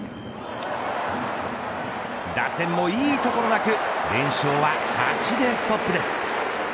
打線もいいところなく連勝は８でストップです。